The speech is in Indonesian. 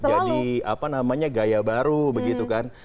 jadi apa namanya gaya baru begitu kan